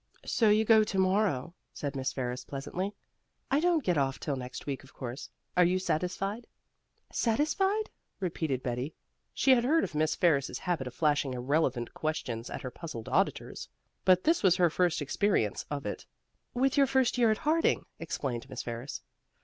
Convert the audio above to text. "So you go to morrow," said Miss Ferris pleasantly. "I don't get off till next week, of course. Are you satisfied?" "Satisfied?" repeated Betty. She had heard of Miss Ferris's habit of flashing irrelevant questions at her puzzled auditors, but this was her first experience of it. "With your first year at Harding," explained Miss Ferris.